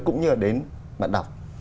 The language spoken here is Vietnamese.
cũng như là đến bạn đọc